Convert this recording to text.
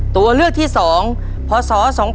ตัวเลือกที่๒พศ๒๕๖